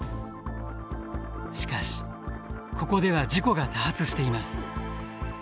しかしここでは事故が多発しています。